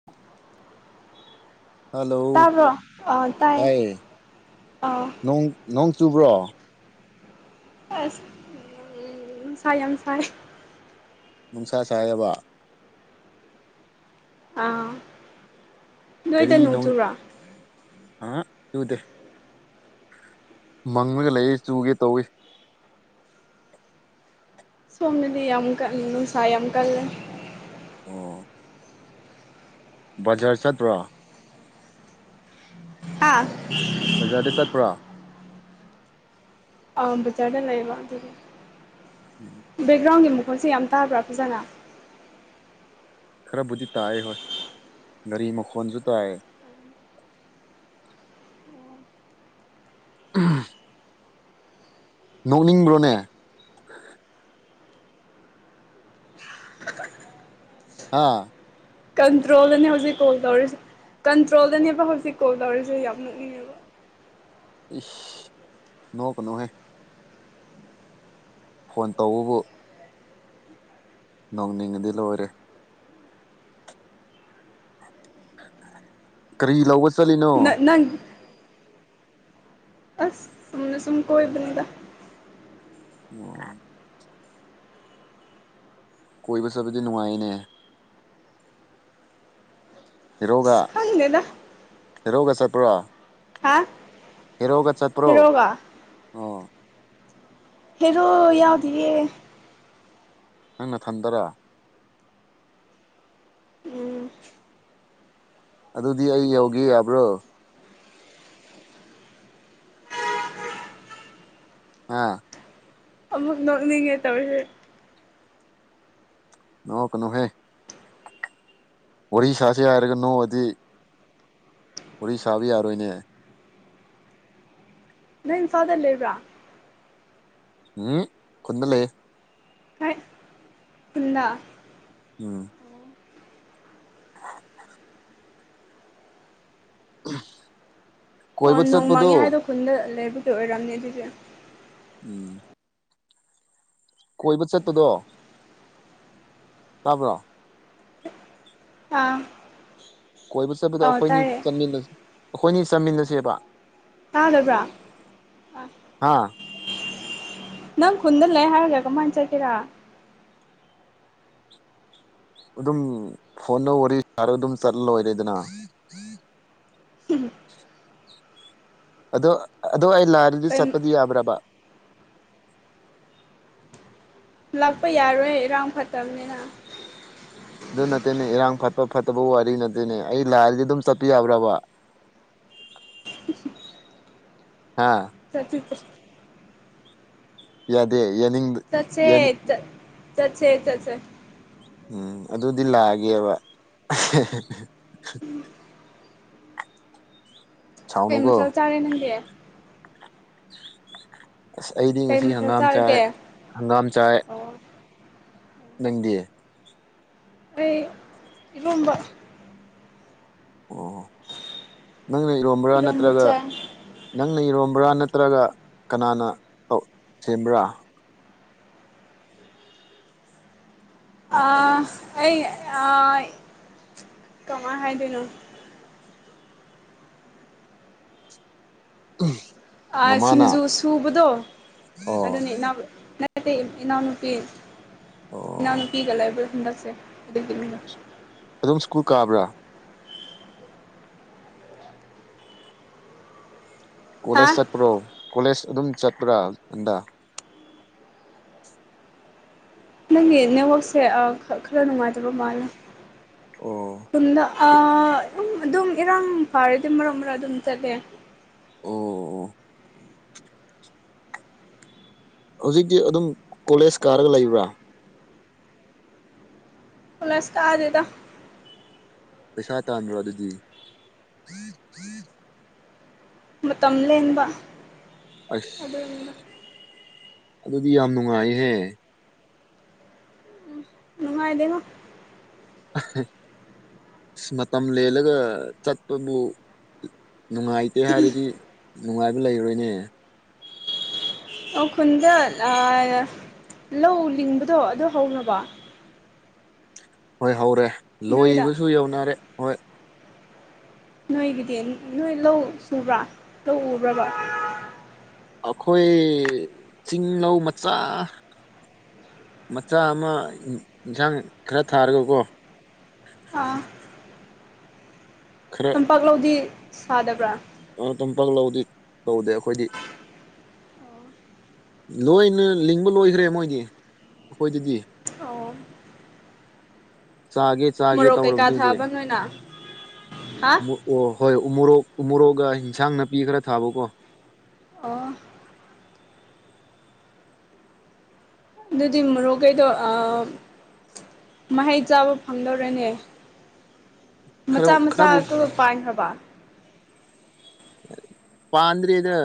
[unintelligible] Hello ꯇꯥꯕ꯭ꯔꯣ ꯑꯥ ꯇꯥꯏꯌꯦ ꯍꯥꯏ ꯑꯥ ꯅꯣꯡ ꯅꯣꯡ ꯆꯨꯕ꯭ꯔꯣ ꯑꯁ ꯅꯨꯡꯁꯥ ꯌꯥꯝ ꯁꯥꯏ ꯅꯨꯡꯁꯥ ꯁꯥꯏꯌꯦꯕ ꯑꯥ ꯅꯣꯏꯗ ꯀꯔꯤꯒꯤ ꯅꯣꯡ ꯆꯨꯕ꯭ꯔꯣ ꯑꯥ ꯆꯨꯗꯦ ꯃꯪꯉꯒ ꯂꯩꯌꯦ ꯆꯨꯒꯦ ꯇꯧꯏ ꯁꯣꯝꯗꯗꯤ ꯌꯥꯝ ꯀꯜ ꯅꯨꯡꯁꯥ ꯌꯥꯝ ꯀꯜꯂꯦ ꯑꯣ ꯕꯖꯔ ꯆꯠꯇ꯭ꯔꯣ ꯍꯥ ꯕꯖꯥꯔꯗ ꯆꯠꯄ꯭ꯔꯥ ꯑ ꯕꯖꯥꯔꯗ ꯂꯩꯕ ꯑꯗꯨꯗꯤ ꯎꯎꯝ ꯕꯦꯛꯒ꯭ꯔꯥꯎꯟꯒꯤ ꯃꯈꯣꯜꯁꯦ ꯌꯥꯝ ꯇꯥꯕ꯭ꯔꯥ ꯐꯖꯅ ꯈꯔꯕꯨꯗꯤ ꯇꯥꯏꯑꯦ ꯍꯣꯏ ꯒꯥꯔꯤ ꯃꯈꯣꯟꯁꯨ ꯇꯥꯏ [unintelligible] ꯅꯣꯛꯅꯤꯡꯕ꯭ꯔꯣꯅꯦ ꯑꯥ ꯀꯟꯇ꯭ꯔꯣꯜꯗꯅꯦ ꯍꯧꯖꯤꯛ ꯀꯣꯜ ꯇꯧꯔꯤꯁꯦ ꯀꯟꯇ꯭ꯔꯣꯜꯗꯅꯦꯕ ꯍꯧꯖꯤꯛ ꯀꯣꯜ ꯇꯧꯔꯤꯁꯦ ꯌꯥꯝ ꯅꯣꯛꯅꯤꯡꯉꯦꯕ ꯏꯁ ꯅꯣꯛꯀꯅꯨꯍꯦ ꯐꯣꯟ ꯇꯧꯕꯕꯨ ꯅꯣꯡꯅꯤꯡꯑꯗꯤ ꯂꯣꯏꯔꯦ ꯀꯔꯤ ꯂꯧꯕ ꯆꯠꯂꯤꯅꯣ ꯅ ꯅꯪ ꯑꯁ ꯆꯨꯝꯅ ꯁꯨꯝ ꯀꯣꯏꯕꯅꯤꯗ ꯑꯣ ꯀꯣꯏꯕ ꯆꯠꯕꯗꯤ ꯅꯨꯡꯉꯥꯏꯅꯦ ꯑꯁ ꯍꯦꯔꯣꯒ ꯈꯪꯗꯦꯗ ꯍꯦꯔꯣꯒ ꯆꯠꯄ꯭ꯔꯣ ꯍꯥ ꯍꯦꯔꯣꯒ ꯆꯠꯄ꯭ꯔꯣ ꯍꯦꯔꯣꯒ ꯑꯣ ꯍꯦꯔꯣ ꯌꯥꯎꯗꯤꯌꯦ ꯅꯪ ꯅꯊꯟꯗꯔꯥ ꯎꯝ ꯑꯗꯨꯗꯤ ꯑꯩ ꯌꯧꯒꯦ ꯌꯥꯕ꯭ꯔꯣ ꯍꯥ ꯑꯃꯨꯛ ꯅꯣꯛꯅꯤꯡꯉꯦ ꯇꯧꯔꯤꯁꯦ ꯅꯣꯛꯀꯅꯣꯍꯦ ꯋꯥꯔꯤ ꯁꯥꯁꯦ ꯍꯥꯏꯔꯒ ꯅꯣꯛꯑꯗꯤ ꯋꯥꯔꯤ ꯁꯥꯕ ꯌꯥꯔꯣꯏꯅꯦ꯫ ꯅꯪ ꯏꯝꯐꯥꯜꯗ ꯂꯩꯕ꯭ꯔꯥ꯫ ꯎꯝ ꯈꯨꯟꯗ ꯂꯩꯌꯦ꯫ ꯍꯥꯏ ꯈꯨꯟꯗ꯫ ꯎꯝ꯫ ꯑꯣ ꯀꯣꯏꯕꯨ ꯅꯣꯡ ꯆꯠꯕꯗꯣ ꯃꯥꯡꯉꯦ ꯍꯥꯏꯗꯣ ꯈꯨꯟꯗ ꯂꯩꯕꯒꯤ ꯑꯣꯏꯔꯝꯅꯤ ꯑꯗꯨꯗꯤ꯫ ꯎꯝ꯫ ꯀꯣꯏꯕ ꯆꯠꯄꯗꯣ꯫ ꯇꯥꯕ꯭ꯔꯣ꯫ ꯑꯥ꯫ ꯀꯣꯏꯕ ꯆꯠꯄꯗ ꯑꯧ ꯑꯩꯈꯣꯏꯅꯤ ꯇꯥꯏꯌꯦ ꯑꯩꯈꯣꯏꯅꯤ ꯆꯠꯃꯤꯟꯅꯁꯦꯕ꯫ ꯇꯥꯗꯕ꯭ꯔꯥ ꯑ꯫ ꯍꯥ ꯅꯪ ꯈꯨꯟꯗ ꯂꯩ ꯍꯥꯏꯔꯒ ꯀꯃꯥꯏꯅ ꯆꯠꯀꯦꯔꯥ꯫ ꯑꯗꯨꯝ ꯐꯣꯟꯗ ꯋꯥꯔꯤ ꯁꯥꯔꯒ ꯑꯗꯨꯝ ꯆꯠꯂ ꯂꯣꯏꯔꯦꯗꯅ꯫ ꯑꯗꯣ ꯑꯗꯣ ꯑꯩ ꯂꯥꯛꯔꯗꯤ ꯆꯠꯄꯗꯤ ꯌꯥꯕ꯭ꯔꯕ꯫ ꯂꯥꯛꯄ ꯌꯥꯔꯣꯏ ꯏꯔꯥꯡ ꯐꯠꯇꯕꯅꯤꯅ꯫ ꯑꯗꯨ ꯅꯠꯇꯦꯅꯦ ꯏꯔꯥꯡ ꯐꯠꯄ ꯐꯠꯇꯕ ꯋꯥꯔꯤ ꯅꯠꯇꯦꯅꯦ ꯑꯩ ꯂꯥꯛꯑꯗꯤ ꯑꯗꯨꯝ ꯆꯠꯄ ꯌꯥꯕ꯭ꯔꯕ꯫ ꯍꯥꯥ꯫ ꯆꯠꯁꯤ ꯆ ꯌꯥꯗꯦ ꯌꯥꯅꯤꯡ ꯆꯠꯁꯦ ꯆꯠ-ꯆꯠꯁꯦ ꯆꯠꯁꯦ꯫ ꯎꯝ ꯑꯗꯨꯗꯤ ꯂꯥꯛꯑꯒꯦꯕ꯫ ꯀꯩ ꯁꯥꯎꯅꯨꯀꯣ ꯃꯊꯦꯜ ꯆꯥꯔꯦ ꯅꯪꯗꯤ꯫ ꯑꯁ ꯑꯩꯗꯤ ꯀꯩ ꯉꯁꯤ ꯃꯊꯦꯜ ꯍꯪꯒꯥꯝ ꯆꯥꯏ ꯆꯥꯔꯒꯦ ꯍꯪꯒꯥꯝ ꯆꯥꯏ꯫ ꯑꯣ ꯅꯪꯗꯤ꯫ ꯑꯩ ꯏꯔꯣꯝꯕ꯫ ꯑꯣ ꯅꯪꯅ ꯏꯔꯣꯝꯕ꯭ꯔꯥ ꯏꯔꯣꯝꯕ ꯅꯠꯇ꯭ꯔꯒ꯫ ꯆꯥꯏ ꯅꯪꯅ ꯏꯔꯣꯝꯕ꯭ꯔꯥ ꯅꯠꯇ꯭ꯔꯒ ꯀꯅꯥꯅ ꯇꯧ ꯁꯦꯝꯕ꯭ꯔꯥ꯫ ꯑꯥ ꯑꯩ ꯑꯥ ꯀꯃꯥꯏ ꯍꯥꯏꯗꯣꯏꯅꯣ ꯑꯥ ꯃꯃꯥꯅ ꯁꯤꯡꯖꯨ ꯁꯨꯕꯗꯣ ꯑꯣ ꯑꯗꯨꯅꯤ [unintelligible] ꯅꯠꯇꯦ ꯏꯅꯥꯎꯅꯨꯄꯤ ꯑꯣ ꯏꯅꯥꯎꯅꯨꯄꯤꯒ ꯂꯩꯕ ꯍꯟꯗꯛꯁꯦ ꯑꯗꯨꯒꯤꯅꯤꯗ꯫ ꯑꯗꯨꯝ ꯁ꯭ꯀꯨꯜ ꯀꯥꯕ꯭ꯔꯥ꯫ ꯍꯥ ꯀꯣꯂꯦꯖ ꯆꯠꯄ꯭ꯔꯣ ꯀꯣꯂꯦꯖ ꯑꯗꯨꯝ ꯆꯠꯄ꯭ꯔꯥ ꯍꯟꯗꯛ꯫ ꯅꯪꯒꯤ ꯅꯦꯠꯋꯥꯛꯁꯦ ꯑ ꯈꯔ ꯅꯨꯡꯉꯥꯏꯇꯕ ꯃꯥꯜꯂꯦ꯫ ꯑꯣ꯫ ꯈꯨꯟꯗ ꯑ ꯑꯗꯨꯝ ꯏꯔꯥꯡ ꯐꯔꯗꯤ ꯃꯔꯛ ꯃꯔꯛ ꯑꯗꯨꯝ ꯆꯠꯂꯦ꯫ ꯑꯣ ꯑꯣ꯫ ꯍꯧꯖꯤꯛꯇꯤ ꯑꯗꯨꯝ ꯀꯣꯂꯦꯖ ꯀꯥꯔꯒ ꯂꯩꯕ꯭ꯔꯥ꯫ ꯀꯣꯂꯦꯁ ꯀꯥꯗꯦꯗ꯫ ꯄꯩꯁꯥ ꯇꯥꯟꯕ꯭ꯔꯣ ꯑꯗꯨꯗꯤ꯫ ꯃꯇꯝ ꯂꯦꯟꯕ ꯑꯁ ꯑꯗꯨꯅꯤꯗ꯫ ꯑꯗꯨꯗꯤ ꯌꯥꯝ ꯅꯨꯡꯉꯥꯏꯍꯦ꯫ ꯅꯨꯡꯉꯥꯏꯗꯦꯉꯣ꯫ ꯑ ꯃꯇꯝ ꯂꯦꯜꯂꯒ ꯆꯠꯄꯕꯨ ꯅꯨꯡꯉꯥꯏꯇꯦ ꯍꯥꯏꯔꯗꯤ ꯅꯨꯡꯉꯥꯏꯕ ꯂꯩꯔꯣꯏꯅꯦ ꯈꯨꯟꯗ ꯂꯧ ꯂꯤꯡꯕꯗꯣ ꯑꯗꯨ ꯍꯧꯔꯕꯣ ꯍꯣꯏ ꯍꯧꯔꯦ ꯅꯣꯏꯗ ꯂꯣꯏꯕꯁꯨ ꯌꯧꯅꯔꯦ ꯍꯣꯏ ꯅꯣꯏꯒꯤꯗꯤ ꯅꯣꯏ ꯂꯧ ꯁꯨꯕ꯭ꯔꯥ ꯂꯧ ꯎꯨꯕ꯭ꯔꯕ ꯑꯩꯈꯣꯏ ꯆꯤꯡꯂꯧ ꯃꯆꯥ ꯃꯆꯥ ꯑꯃ ꯌꯦꯟꯁꯥꯡ ꯈꯔ ꯊꯥꯔꯒꯀꯣ ꯑꯥ ꯈꯔ ꯇꯝꯄꯥꯛ ꯂꯧꯗꯤ ꯁꯥꯗꯕ꯭ꯔꯥ ꯇꯥꯝꯄꯛ ꯂꯧꯗꯤ ꯇꯧꯗꯦ ꯑꯩꯈꯣꯏꯗꯤ ꯂꯣꯏꯅ ꯂꯤꯡꯕ ꯂꯣꯏꯈ꯭ꯔꯦ ꯃꯣꯏꯗꯤ ꯑꯩꯈꯣꯏꯗꯗꯤ ꯑꯣ ꯆꯥꯒꯦ ꯆꯥꯒꯦ ꯃꯣꯔꯣꯛ ꯀꯩꯀꯥ ꯇꯧꯔꯕꯅꯤ ꯍꯧꯖꯤꯛ ꯊꯥꯕ ꯅꯣꯏꯅ ꯍꯥ ꯑꯣ ꯍꯣꯏ ꯎꯃꯣꯔꯣꯛ ꯎꯃꯣꯔꯣꯛꯒ ꯏꯟꯁꯥꯡ ꯅꯥꯄꯤ ꯈꯔ ꯊꯥꯕꯀꯣ ꯑꯣ ꯑꯗꯨꯗꯤ ꯃꯣꯔꯣꯛ ꯈꯩꯗꯣ ꯑ ꯃꯍꯩ ꯆꯥꯕ ꯐꯪꯗꯧꯔꯦꯅꯦ ꯈꯔ ꯃꯆꯥ ꯃꯆꯥ ꯈꯔꯕꯨ ꯑꯗꯨ ꯄꯥꯟꯈ꯭ꯔꯕ ꯄꯥꯟꯗ꯭ꯔꯤꯗ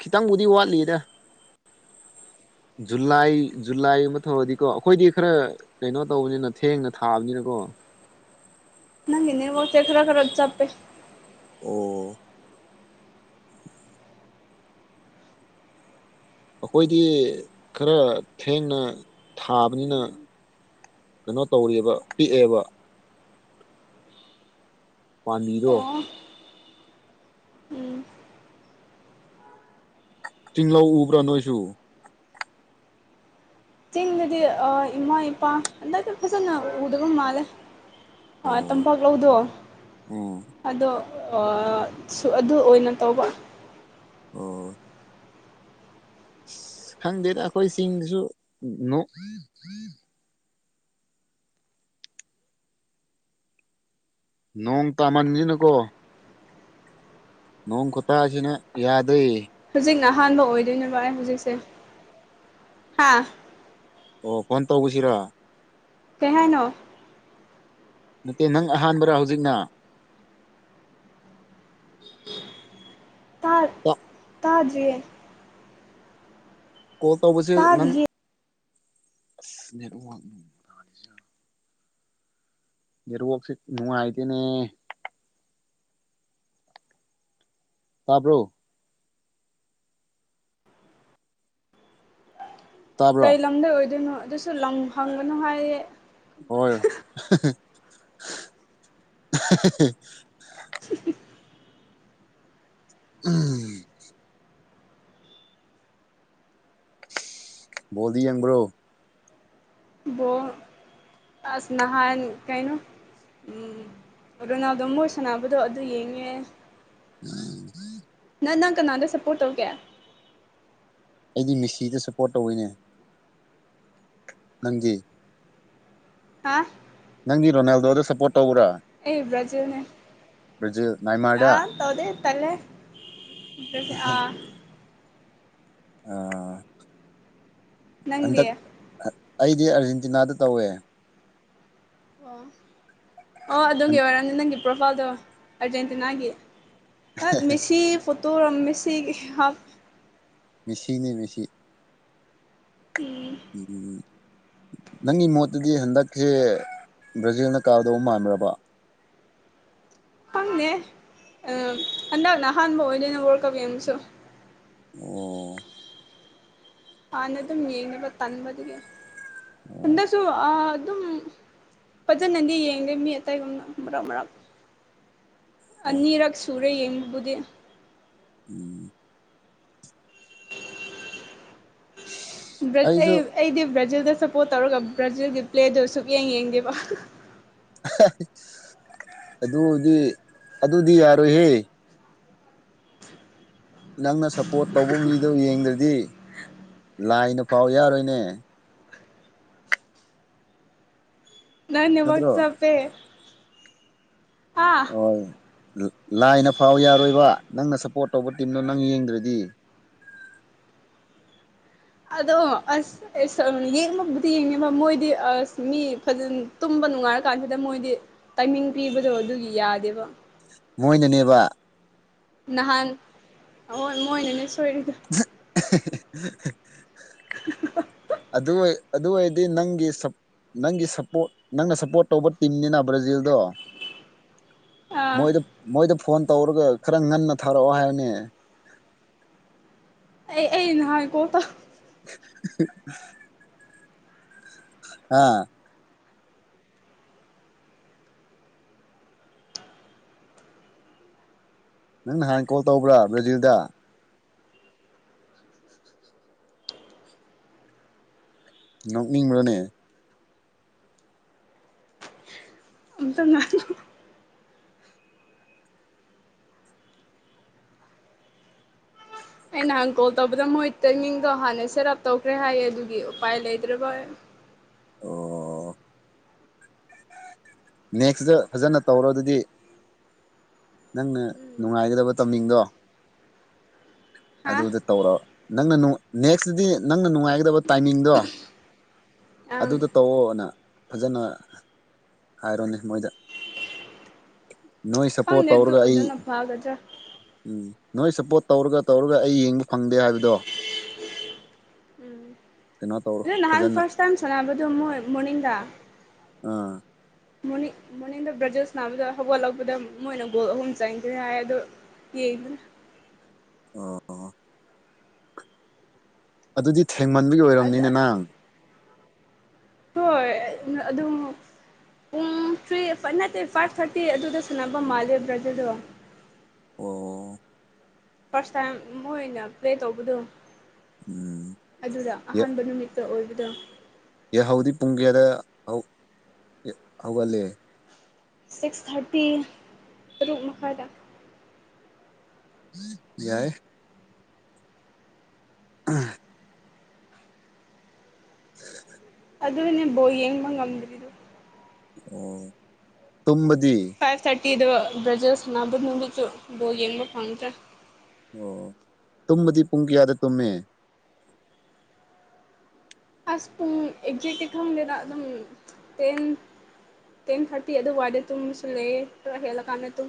ꯈꯤꯇꯪꯕꯨꯗꯤ ꯋꯥꯠꯂꯤꯗ ꯖꯨꯂꯥꯏ ꯖꯨꯂꯥꯏ ꯑꯃ ꯊꯧꯔꯗꯤꯀꯣ ꯑꯩꯈꯣꯏꯗꯤ ꯈꯔ ꯀꯩꯅꯣ ꯇꯧꯕꯅꯤꯅ ꯊꯦꯡꯅ ꯊꯥꯕꯅꯤꯅꯀꯣ ꯅꯪꯒꯤ ꯅꯦꯠꯋꯥꯛꯁꯦ ꯈꯔ ꯈꯔ ꯆꯥꯞꯄꯦ ꯑꯣ ꯑꯩꯈꯣꯏꯗꯤ ꯈꯔ ꯊꯦꯡꯅ ꯊꯥꯕꯅꯤꯅ ꯀꯩꯅꯣ ꯇꯧꯔꯤꯕ ꯄꯤꯛꯑꯦꯕ ꯄꯥꯝꯃꯤꯔꯣ ꯑꯣ ꯎꯝ ꯇꯤꯡꯂꯧ ꯎꯕ꯭ꯔꯥ ꯅꯣꯏꯁꯨ ꯆꯤꯡꯗꯗꯤ ꯑ ꯏꯃꯥ ꯏꯄꯥ ꯍꯥꯟꯗꯥꯛꯇꯤ ꯐꯖꯅ ꯎꯗꯕ ꯃꯥꯂꯦ ꯍꯣꯏ ꯇꯨꯝ ꯑꯣ ꯇꯥꯝꯄꯥꯛꯂꯧꯗꯣ ꯎꯝ ꯑꯗꯣ ꯁꯨ ꯑꯗꯨ ꯑꯣꯏꯅ ꯇꯧꯕ ꯑꯣ ꯈꯪꯗꯦꯗ ꯑꯩꯈꯣꯏ ꯆꯤꯡꯗꯁꯨ ꯅꯣꯡ ꯅꯣꯡ ꯇꯥꯃꯟꯁꯤꯅꯀꯣ ꯅꯣꯡ ꯈꯨꯇꯁꯤꯅ ꯌꯥꯗꯔꯦ ꯍꯧꯖꯤꯛ ꯅ ꯑꯍꯥꯟꯕ ꯑꯣꯏꯗꯣꯏꯅꯦꯕ ꯑꯩ ꯍꯧꯖꯤꯛꯁꯦ ꯍꯥ ꯑꯣ ꯐꯣꯟ ꯇꯧꯕꯁꯤꯔꯥ ꯀꯩ ꯍꯥꯏꯅꯣ ꯅꯠꯇꯦ ꯅꯪ ꯑꯍꯥꯟꯕꯔꯥ ꯍꯧꯖꯤꯛꯅ ꯇꯥ ꯇꯥꯗꯦꯌꯦ ꯀꯣꯜ ꯇꯧꯕꯁꯦ ꯅꯪ ꯇꯥꯗꯤꯌꯦ ꯅꯦꯠꯋꯥꯛ ꯅꯦꯠꯋꯥꯛꯁꯦ ꯅꯨꯡꯉꯥꯢꯇꯦꯅꯦ ꯇꯥꯕ꯭ꯔꯣ ꯇꯥꯕ꯭ꯔꯣ ꯀꯩ ꯂꯝꯗꯩ ꯑꯣꯏꯗꯣꯏꯅꯣ ꯑꯗꯨꯁꯨ ꯂꯝ ꯍꯪꯒꯅꯣ ꯍꯥꯏꯌꯦ ꯍꯣꯏ [unintelligible] ꯎꯝ ꯕꯣꯜꯗꯤ ꯌꯦꯡꯕ꯭ꯔꯣ ꯕꯣꯜ ꯑꯁ ꯅꯍꯥꯟ ꯀꯩꯅꯣ ꯔꯣꯅꯥꯜꯗꯣ ꯃꯣꯏ ꯁꯥꯟꯅꯕꯗꯣ ꯑꯗꯨ ꯌꯦꯡꯉꯦ ꯎꯝ ꯎꯝ [inaudible] ꯅꯪ ꯅꯪ ꯀꯅꯥꯗ ꯁꯞꯄꯣꯔꯠ ꯇꯧꯒꯦ ꯑꯩꯗꯤ ꯃꯤꯁꯤꯗ ꯁꯞꯄꯣꯔꯠ ꯇꯧꯋꯤꯅꯦ ꯅꯪꯗꯤ ꯍꯥ ꯅꯪꯒꯤ ꯔꯣꯅꯥꯜꯗꯣꯗ ꯁꯞꯄꯣꯔꯠ ꯇꯧꯕ꯭ꯔꯥ ꯑꯩ ꯕ꯭ꯔꯥꯖꯦꯟꯅꯦ ꯕ꯭ꯔꯥꯖꯤꯜ ꯅꯥꯏꯃꯥꯔꯗ ꯑꯥ ꯇꯧꯗꯦ ꯇꯜꯂꯦ ꯑꯥ ꯑꯥ ꯅꯪꯗꯤ ꯍꯟꯗꯛ ꯑꯩꯗꯤ ꯑꯥꯔꯖꯦꯟꯇꯤꯅꯥꯗ ꯇꯧꯋꯦ ꯑꯣ ꯑꯣ ꯑꯗꯨꯒꯤ ꯑꯣꯏꯔꯝꯅꯤ ꯅꯪꯒꯤ ꯄ꯭ꯔꯣꯐꯥꯏꯜꯗꯣ ꯑꯔꯖꯦꯟꯇꯤꯅꯥꯒꯤ ꯃꯦꯁꯤ ꯐꯣꯇꯣꯔ ꯃꯦꯁꯤꯒꯤ ꯍꯥꯞ ꯃꯦꯁꯤꯅꯦ ꯃꯦꯁꯤ ꯎꯝ ꯎꯝ ꯅꯪꯒꯤ ꯃꯣꯠꯇꯗꯤ ꯍꯟꯗꯛꯁꯦ ꯕ꯭ꯔꯥꯖꯤꯜꯅ ꯀꯥꯗꯧꯕ ꯃꯥꯟꯕ꯭ꯔꯕꯥ ꯈꯪꯗꯦ ꯍꯟꯗꯛꯅ ꯑꯍꯥꯟꯕ ꯑꯣꯏꯗꯣꯏꯅꯦ ꯋꯥꯔꯜ ꯀꯥꯞ ꯌꯦꯡꯕꯁꯨ ꯑꯣ ꯍꯥꯟꯅ ꯑꯗꯨꯝ ꯌꯦꯡꯗꯦꯕ ꯇꯟꯕꯗꯨꯒꯤ ꯍꯟꯗꯛꯁꯨ ꯑꯗꯨꯝ ꯐꯖꯅꯗꯤ ꯌꯦꯡꯗꯦ ꯃꯤ ꯑꯇꯩꯒꯨꯝꯅ ꯃꯔꯛ ꯃꯔꯛ ꯑꯣ ꯑꯅꯤꯔꯛ ꯁꯨ ꯁꯧꯔꯦ ꯌꯦꯡꯕꯨꯗꯤ ꯎꯝ ꯑꯩ ꯑꯩꯁꯨ ꯑꯩꯗꯤ ꯕ꯭ꯔꯥꯖꯤꯜꯗ ꯁꯞꯄꯣꯔꯠ ꯇꯧꯔꯒ ꯕ꯭ꯔꯥꯖꯤꯜꯒꯤ ꯄ꯭ꯂꯦꯗꯨ ꯁꯨꯛꯌꯦꯡ ꯌꯦꯡꯗꯦꯕ ꯑꯗꯨꯗꯤ ꯑꯗꯨꯗꯤ ꯌꯥꯔꯣꯏꯍꯦ ꯅꯪꯅ ꯁꯞꯄꯣꯔꯠ ꯇꯧꯕ ꯃꯤꯗꯣ ꯌꯦꯡꯗ꯭ꯔꯗꯤ ꯂꯥꯏꯅꯐꯥꯎ ꯌꯥꯔꯣꯏꯅꯦ ꯅꯪ ꯅꯦꯠꯋꯤꯛ ꯅꯠꯇ꯭ꯔꯣ ꯆꯞꯄꯦ ꯍꯥ ꯍꯣꯏ ꯂꯥꯏꯅ ꯐꯥꯎ ꯌꯥꯔꯣꯏꯕ ꯅꯪꯅ ꯁꯞꯄꯣꯔꯠ ꯇꯧꯕ ꯇꯤꯝꯗꯣ ꯅꯪ ꯌꯦꯡꯗ꯭ꯔꯗꯤ ꯑꯗꯣ ꯑꯁ ꯏꯁ ꯑꯥ ꯌꯦꯡꯕꯕꯨꯗꯤ ꯌꯦꯡꯉꯦꯕ ꯃꯣꯏꯗꯤ ꯑꯁ ꯃꯤ ꯐꯖꯅ ꯇꯨꯝꯕ ꯅꯨꯡꯉꯥꯏꯔ ꯀꯥꯟꯁꯤꯗ ꯃꯣꯏꯗꯤ ꯇꯥꯏꯃꯤꯡ ꯄꯤꯕꯗꯣ ꯑꯗꯨꯒꯤ ꯌꯥꯗꯦꯕ ꯃꯣꯏꯅꯅꯦꯕ ꯅꯍꯥꯟ ꯍꯣꯏ ꯃꯣꯏꯅꯅꯦ ꯁꯣꯏꯔꯤꯗꯣ [unintelligible] [unintelligible] ꯑꯗꯨ ꯑꯣꯏ ꯑꯗꯨ ꯑꯣꯏ ꯗꯤ ꯅꯪꯒꯤ ꯁꯞ ꯅꯪꯒꯤ ꯁꯞꯄꯣꯔꯠ ꯅꯪꯅ ꯁꯞꯄꯣꯔꯠ ꯇꯧꯕ ꯇꯤꯝꯅꯤꯅ ꯕ꯭ꯔꯥꯖꯤꯜꯗꯣ ꯑꯥ ꯃꯣꯏꯗ ꯃꯣꯏꯗ ꯐꯣꯟ ꯇꯧꯔꯒ ꯈꯔ ꯉꯟꯅ ꯊꯥꯔꯛꯑꯣ ꯍꯥꯏꯑꯣꯅꯦ ꯑꯩ ꯑꯩ ꯅꯍꯥꯛ ꯀꯣꯜ ꯇꯧ [unintelligible] ꯍꯥꯥ ꯅꯪ ꯅꯍꯥꯟ ꯀꯣꯜ ꯇꯧꯕ꯭ꯔꯥ ꯕ꯭ꯔꯥꯖꯤꯜꯗ ꯅꯣꯛꯅꯤꯡꯕ꯭ꯔꯅꯦ ꯑꯝꯇ [unintelligible] ꯑꯩ ꯅꯍꯥꯟ ꯀꯣꯜ ꯇꯧꯕꯗ ꯃꯣꯏ ꯇꯥꯏꯃꯤꯡꯗꯣ ꯍꯥꯟꯅ ꯁꯦꯠ ꯑꯞ ꯇꯧꯈ꯭ꯔꯦ ꯍꯥꯏꯌꯦ ꯑꯗꯨꯒꯤ ꯎꯄꯥꯏ ꯂꯩꯇ꯭ꯔꯕ ꯑꯩ ꯑꯣ ꯅꯦꯛꯁꯗ ꯐꯖꯅ ꯇꯧꯔꯣ ꯑꯗꯨꯗꯤ ꯅꯪꯅ ꯅꯨꯡꯉꯥꯏꯒꯗꯕ ꯇꯥꯢꯃꯤꯡꯗꯣ ꯍꯥ ꯑꯗꯨꯗ ꯇꯧꯔꯣ ꯅꯪꯅ ꯅꯨꯡ ꯅꯦꯛꯁꯇꯗꯤ ꯅꯪꯅ ꯅꯨꯡꯉꯥꯏꯒꯗꯕ ꯇꯥꯏꯃꯤꯡꯗꯣ ꯑꯪ ꯑꯗꯨꯗ ꯇꯧꯑꯣꯅ ꯐꯖꯅ ꯍꯥꯏꯔꯣꯅꯦ ꯃꯣꯏꯗ ꯅꯣꯏ ꯁꯞꯄꯣꯔꯠ ꯈꯪꯗꯦ ꯑꯗꯨ ꯇꯧꯔꯒ ꯑꯩ ꯑꯗꯨꯅ ꯐꯒꯗ꯭ꯔꯥ ꯎꯝ ꯅꯣꯏ ꯁꯞꯄꯣꯔꯠ ꯇꯧꯔꯒ ꯇꯧꯔꯒ ꯑꯩ ꯌꯦꯡꯕ ꯐꯪꯗꯦ ꯍꯥꯏꯕꯗꯣ ꯀꯩꯅꯣ ꯇꯧꯔꯣ ꯑꯗ ꯅꯍꯥꯟ ꯐꯖꯅ ꯐꯔꯁ ꯇꯥꯏꯝ ꯁꯥꯟꯅꯕꯗꯣ ꯃꯣꯏ ꯃꯣꯔꯅꯤꯡꯗ ꯑꯥ ꯃꯣꯔꯅꯤꯡ ꯃꯣꯔꯅꯤꯡꯗ ꯕ꯭ꯔꯥꯖꯤꯜ ꯁꯟꯅꯥꯕꯗꯣ ꯍꯧꯒꯠꯂꯛꯄꯗ ꯃꯣꯏꯅ ꯒꯣꯜ ꯑꯍꯨꯝ ꯆꯟꯈ꯭ꯔꯦ ꯍꯥꯏ ꯑꯗꯣ ꯌꯦꯡ ꯑꯣ ꯑꯗꯨꯗꯤ ꯊꯦꯡꯃꯟꯕꯒꯤ ꯑꯗ ꯑꯣꯏꯔꯝꯅꯤꯅ ꯅꯪ ꯍꯣꯏ ꯅ ꯑꯗꯨꯝ ꯄꯨꯡ ꯊ꯭ꯔꯤ ꯊꯔꯤ ꯅꯠꯇꯦ ꯐꯥꯏꯚ ꯊꯥꯔꯇꯤ ꯑꯗꯨꯗ ꯁꯟꯅꯕ ꯃꯥꯜꯂꯦ ꯕ꯭ꯔꯥꯖꯤꯜꯗꯣ ꯑꯣ ꯐꯥꯔꯁ ꯇꯥꯏꯝ ꯃꯣꯏꯅ ꯄ꯭ꯂꯦ ꯇꯧꯕꯗꯣ ꯎꯝ ꯑꯗꯨꯗ ꯑꯍꯥꯟꯕ ꯅꯨꯃꯤꯠꯇ ꯑꯣꯏꯕꯗꯣ ꯌꯥꯍꯧꯗꯤ ꯄꯨꯡ ꯀꯌꯥꯗ ꯍꯧ ꯍꯧꯒꯠꯂꯤ ꯁꯤꯛꯁ ꯊꯥꯔꯇꯤ ꯇꯔꯨꯛ ꯃꯈꯥꯏꯗ ꯌꯥꯏ [unintelligible] [inaudible] ꯑꯗꯨꯅꯦ ꯕꯣꯜ ꯌꯦꯡꯕ ꯉꯝꯗ꯭ꯔꯤꯗꯨ ꯑꯣ ꯇꯨꯝꯕꯗꯤ ꯐꯥꯏꯚ ꯊꯥꯔꯇꯤꯗꯣ ꯕ꯭ꯔꯥꯖꯤꯜ ꯁꯟꯅꯥꯕ ꯅꯨꯃꯤꯠꯁꯨ ꯕꯣꯜ ꯌꯦꯡꯕ ꯐꯪꯗ꯭ꯔꯦ ꯑꯣ ꯇꯨꯝꯕꯗꯤ ꯄꯨꯡ ꯀꯌꯥꯗ ꯇꯨꯝꯃꯦ ꯑꯁ ꯄꯨꯡ ꯑꯦꯛꯖꯦꯛꯇꯤ ꯈꯪꯗꯦꯗꯥ ꯑꯗꯨꯝ ꯇꯦꯟ ꯇꯦꯟ ꯊꯔꯇꯤ ꯑꯗꯨꯋꯥꯏꯗ ꯇꯨꯨꯝꯕꯁꯨ ꯂꯩꯌꯦ ꯈꯔ ꯍꯦꯜꯂꯀꯥꯟꯗ ꯇꯨꯝ